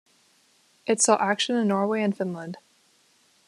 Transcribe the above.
It saw action in Norway and Finland.